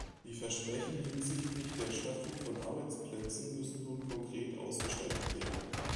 Die Versprechen hinsichtlich der Schaffung von Arbeitsplätzen müssen nun konkret ausgestaltet werden.